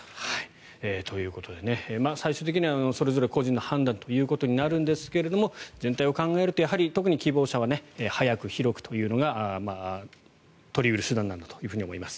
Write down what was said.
ということで最終的にはそれぞれ個人の判断ということになるんですが全体を考えると、やはり特に希望者は早く広くというのが取り得る手段なんだと思います。